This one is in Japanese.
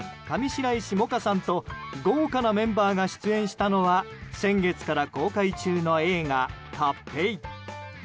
上白石萌歌さんと豪華なメンバーが出演したのは先月から公開中の映画「ＫＡＰＰＥＩカッペイ」。